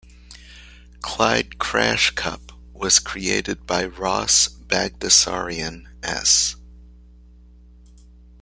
Clyde Crashcup was created by Ross Bagdasarian S.